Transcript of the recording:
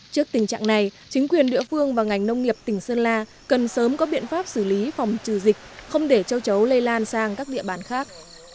trước tình trạng này chính quyền địa phương và ngành nông nghiệp tỉnh sơn la cần sớm có biện pháp xử lý phòng trừ dịch không để châu chấu lây lan sang các địa bàn khác